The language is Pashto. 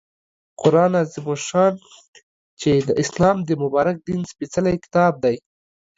قرآن عظیم الشان چې د اسلام د مبارک دین سپیڅلی کتاب دی